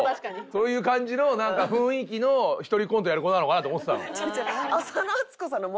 そういう感じの雰囲気の一人コントやる子なのかなと思ってたの。